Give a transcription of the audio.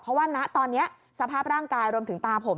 เพราะว่าณตอนนี้สภาพร่างกายรวมถึงตาผม